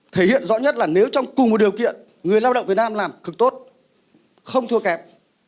thể hiện rõ nhất là nếu trong cùng một điều kiện người lao động việt nam làm cực tốt không thua kém